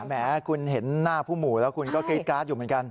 แหมคุณเห็นหน้าผู้หมู่แล้วคุณก็กรี๊ดการ์ดอยู่เหมือนกัน